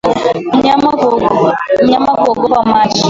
Mnyama kuogopa maji